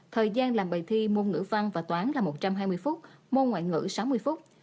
thời gian làm bài thi môn ngữ văn và toán là một trăm hai mươi phút môn ngoại ngữ sáu mươi phút